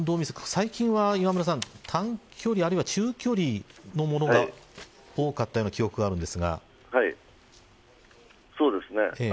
最近は磐村さん、短距離あるいは中距離のものが多かったようなそうですね。